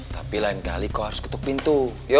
tapi lain kali kau harus ketuk pintu